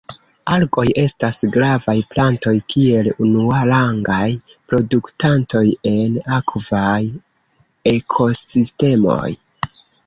Algoj estas gravaj plantoj kiel unuarangaj produktantoj en akvaj ekosistemoj.